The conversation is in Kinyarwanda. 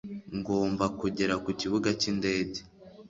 ngomba kugera ku kibuga cy'indege